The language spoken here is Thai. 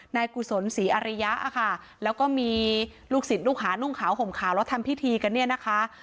กุศลศรีอริยะค่ะแล้วก็มีลูกศิษย์ลูกหานุ่งขาวห่มขาวแล้วทำพิธีกันเนี่ยนะคะ